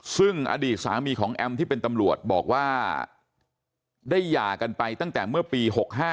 ซึ่งอดีตสามีของแอมที่เป็นตำรวจบอกว่าได้หย่ากันไปตั้งแต่เมื่อปี๖๕